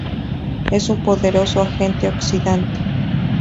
Es un poderoso agente oxidante.